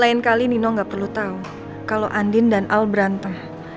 lain kali nino nggak perlu tahu kalau andin dan al beranta